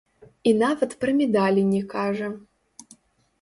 І нават пра медалі не кажа.